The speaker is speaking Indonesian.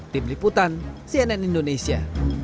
tim liputan cnn indonesia